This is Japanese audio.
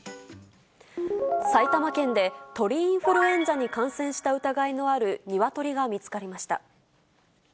埼玉県で、鳥インフルエンザに感染した疑いのあるニワトリが見つかりました。